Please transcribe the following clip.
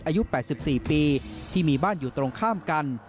อายุ๘๔ปีที่มีบ้านอยู่ตรงข้ามกัน